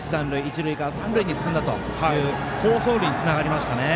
一塁から三塁につながる好走塁につながりました。